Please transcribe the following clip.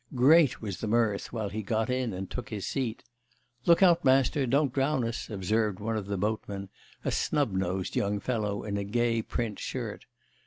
Great was the mirth while he got in and took his seat. 'Look out, master, don't drown us,' observed one of the boatmen, a snubnosed young fellow in a gay print shirt.